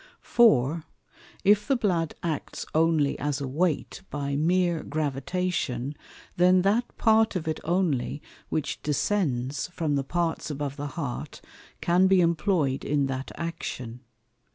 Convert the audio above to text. For, if the Blood acts only as a weight by meer gravitation, then that part of it only which descends from the Parts above the Heart can be employ'd in that Action.